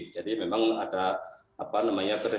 jadi memang ada apa namanya